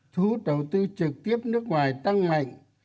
thu hút đầu tư trực tiếp nước ngoài tăng mạnh